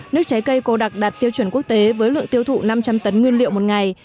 nước trái cây cô đặc đạt tiêu chuẩn quốc tế với lượng tiêu thụ năm trăm linh tấn nguyên liệu một ngày